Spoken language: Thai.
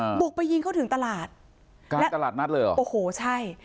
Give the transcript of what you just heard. บุกไปยิงเขาถึงตลาดกลางตลาดนัดเลยเหรอโอ้โหใช่